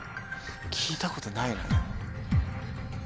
聞いたことないなでも。